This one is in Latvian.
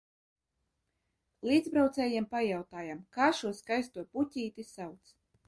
Līdzbraucējiem pajautājām, kā šo skaisto puķīti sauc.